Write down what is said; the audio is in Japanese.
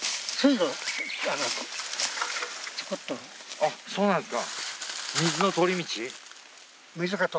あっそうなんですか。